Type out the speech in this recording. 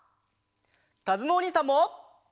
かずむおにいさんも。